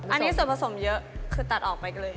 อันนี้ส่วนผสมเยอะคือตัดออกไปเลย